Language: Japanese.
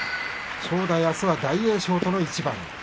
正代はあすは大栄翔との一番。